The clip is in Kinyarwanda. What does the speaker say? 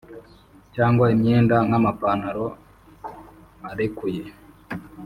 cyangwa imyenda nk’amapantalo arekuye